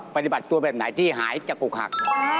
ปฏิบัติตัวแบบไหนที่หายจากอกหัก